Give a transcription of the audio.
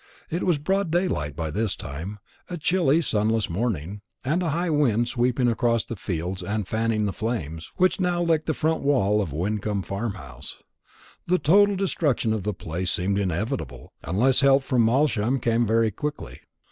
It was broad daylight by this time; a chilly sunless morning, and a high wind sweeping across the fields and fanning the flames, which now licked the front wall of Wyncomb Farmhouse. The total destruction of the place seemed inevitable, unless help from Malsham came very quickly.